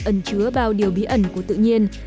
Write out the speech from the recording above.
ẩn chứa bao điều bí ẩn của tự nhiên